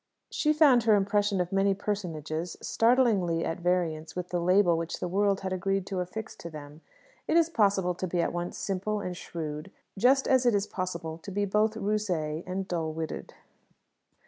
She found her impression of many personages startlingly at variance with the label which the world had agreed to affix to them. It is possible to be at once simple and shrewd, just as it is possible to be both rusé and dull witted.